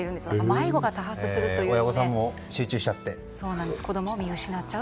迷子が多発するというので。